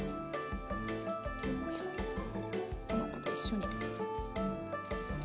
トマトと一緒に。